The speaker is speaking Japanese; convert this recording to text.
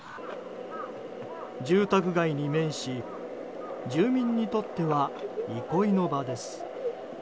住宅街に面し、住民にとっては憩いの場です。